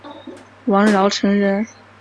王尧臣人。